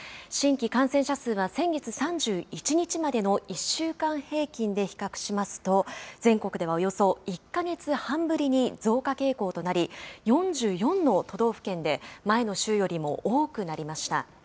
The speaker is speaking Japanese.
新規感染者数は先月３１日までの１週間平均で比較しますと、全国ではおよそ１か月半ぶりに増加傾向となり、４４の都道府県で前の週よりも多くなりました。